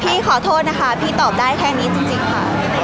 ขอโทษนะคะพี่ตอบได้แค่นี้จริงค่ะ